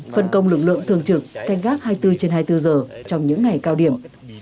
phân công lực lượng thường trực canh gác hai mươi bốn trên hai mươi bốn giờ trong những ngày cao điểm